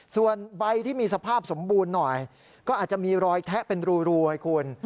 ส่วนใบที่มีสภาพสมบูรณ์หน่อยก็อาจจะมีรอยแทะเป็นรูให้คุณ